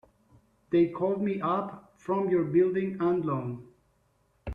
They called me up from your Building and Loan.